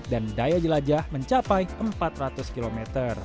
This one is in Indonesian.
dan daya jelajah mencapai empat ratus km